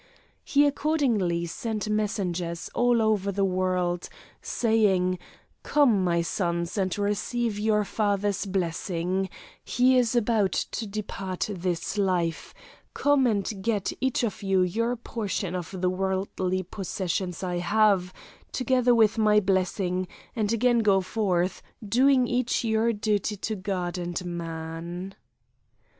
He accordingly sent messengers all over the world, saying: 'Come, my sons, and receive your father's blessing; he is about to depart this life, come and get each one your portion of the worldly possessions I have, together with my blessing, and again go forth, doing each your duty to God and man.'